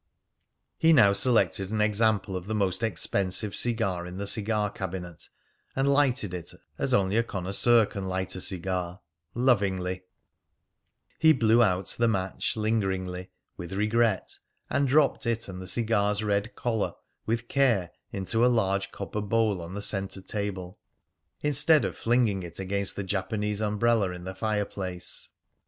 He now selected an example of the most expensive cigar in the cigar cabinet, and lighted it as only a connoisseur can light a cigar lovingly; he blew out the match lingeringly, with regret, and dropped it and the cigar's red collar with care into a large copper bowl on the centre table, instead of flinging it against the Japanese umbrella in the fireplace.